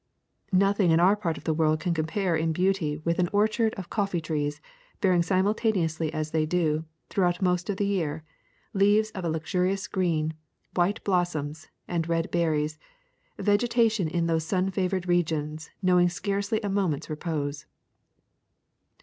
''Nothing in our part of the world can compare in beauty with an orchard of coffee trees bearing simultaneously as they do, throughout most of the year, leaves of a lustrous green, white blossoms, and red berries, vegetation in those sun favored regions knowing scarcely a moment's repose.